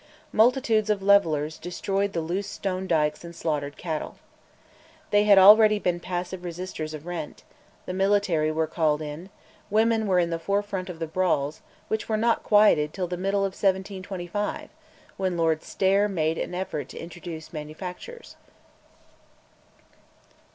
Multitudes of "Levellers" destroyed the loose stone dykes and slaughtered cattle. They had already been passive resisters of rent; the military were called in; women were in the forefront of the brawls, which were not quieted till the middle of 1725, when Lord Stair made an effort to introduce manufactures.